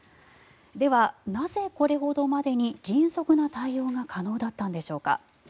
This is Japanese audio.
ではなぜこれほどまでに迅速な対応が可能だったんでしょうか。